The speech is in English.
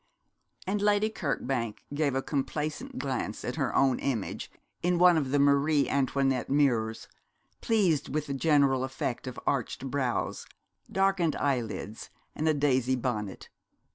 And Lady Kirkbank gave a complacent glance at her own image in one of the Marie Antoinette mirrors, pleased with the general effect of arched brows, darkened eyelids, and a daisy bonnet.